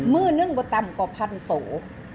เมื่อนึงประตำกว่าพันตัว